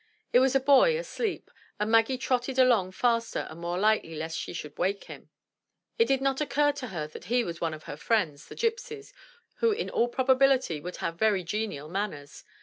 It was a boy asleep, and Maggie trotted along faster and more lightly lest she should wake him; it did not occur to her that he was one of her friends, the gypsies, who in all probability would have very genial manners.